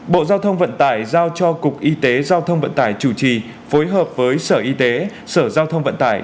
bộ giao thông vận tải giao cho cục y tế giao thông vận tải chủ trì phối hợp với sở y tế sở giao thông vận tải